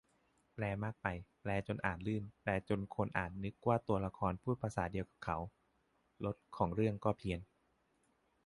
แปลมากไป แปลจนอ่านลื่น แปลจนคนอ่านนึกว่าตัวละครพูดภาษาเดียวกับเขา รสของเรื่องก็เพี้ยน